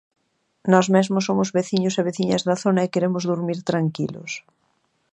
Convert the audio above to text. Nós mesmos somos veciños e veciñas da zona, e queremos durmir tranquilos.